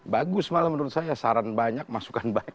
bagus malah menurut saya saran banyak masukan banyak